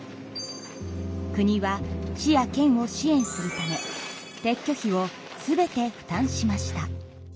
国は市や県を支援するため撤去費を全て負担しました。